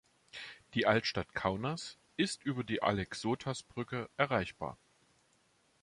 Die Altstadt Kaunas ist über die Aleksotas-Brücke erreichbar.